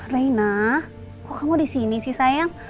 reina kok kamu di sini sih sayang